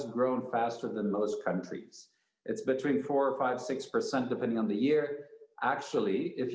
dari kebanyakan negara lain